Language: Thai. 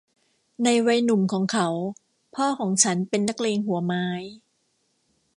ในวัยหนุ่มของเขาพ่อของฉันเป็นนักเลงหัวไม้